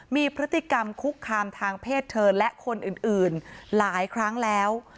มีพฤติกรรมคุกคามทางเพศเธอและคนอื่นหลายครั้งแล้ว